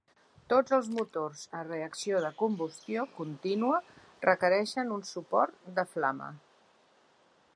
Tots els motors a reacció de combustió contínua requereixen un suport de flama.